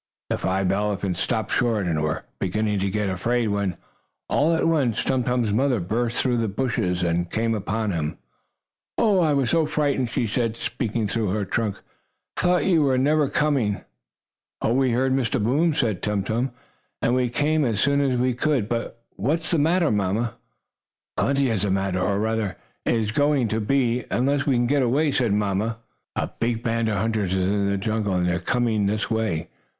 The five elephants stopped short, and were beginning to get afraid when, all at once, Tum Tum's mother burst through the bushes and came up to him. "Oh, I was so frightened!" she said, speaking through her trunk. "I thought you were never coming!" "Oh, we heard Mr. Boom," said Tum Tum, "and we came on as soon as we could. But what's the matter, mamma?" "Plenty is the matter, or, rather, is going to be, unless we can get away," said the mamma elephant. "A big band of hunters is in the jungle, and they are coming this way."